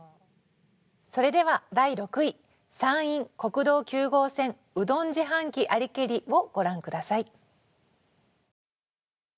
それでは第６位「山陰・国道９号線うどん自販機ありけり」をご覧下さい。